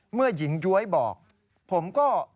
เมื่อหญิงย้วยบอกผมก็